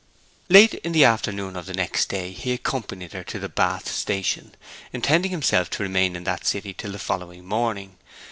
Late in the afternoon of the next day he accompanied her to the Bath station, intending himself to remain in that city till the following morning.